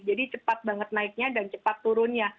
jadi cepat banget naiknya dan cepat turunnya